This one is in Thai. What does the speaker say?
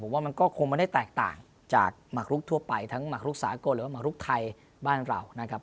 ว่ามันก็คงไม่ได้แตกต่างจากหมักลุกทั่วไปทั้งหมักลุกสากลหรือว่าหมักลุกไทยบ้านเรานะครับ